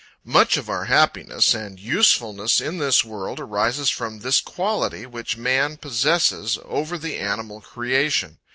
Much of our happiness, and usefulness in this world arises from this quality which man possesses over the animal creation.